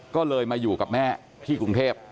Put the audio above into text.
ก็เลยมาอยู่กับแม่ที่กรุงเทพ